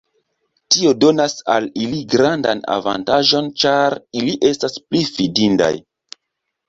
Tio donas al ili grandan avantaĝon ĉar ili estas pli fidindaj.